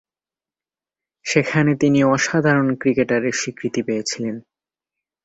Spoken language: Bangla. সেখানে তিনি অসাধারণ ক্রিকেটারের স্বীকৃতি পেয়েছিলেন।